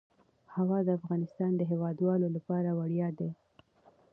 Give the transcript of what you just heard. هوا د افغانستان د هیوادوالو لپاره ویاړ دی.